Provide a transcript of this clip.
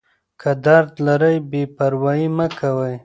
که درد لرئ بې پروايي مه کوئ.